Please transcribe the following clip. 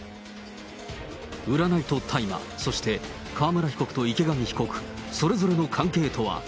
占いと大麻、そして川村被告と池上被告、それぞれの関係とは。